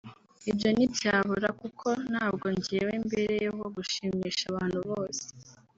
Ibyo ntibyabura kuko ntabwo njyewe mbereyeho gushimisha abantu bose